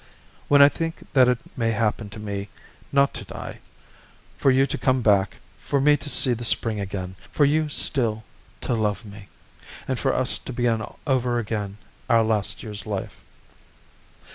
When I think that it may happen to me not to die, for you to come back, for me to see the spring again, for you still to love me, and for us to begin over again our last year's life!